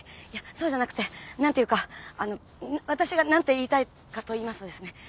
いやそうじゃなくて何ていうかあの私が何て言いたいかと言いますとですね